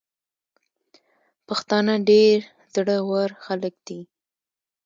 پښتانه ډير زړه ور خلګ دي.